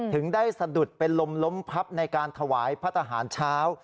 ถึงได้สะดุดเป็นลมล้มพับในการถวายพระทหารเช้า